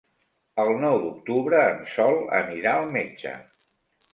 El nou d'octubre en Sol anirà al metge.